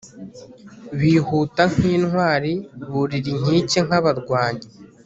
bihuta nk intwari burira inkike nk abarwanyi